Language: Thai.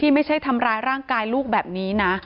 ไม่ใช่ทำร้ายร่างกายลูกแบบนี้นะ